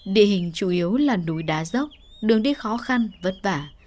địa hình chủ yếu là núi đá dốc đường đi khó khăn vất vả